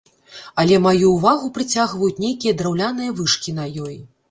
Але маю ўвагу прыцягваюць нейкія драўляныя вышкі на ёй.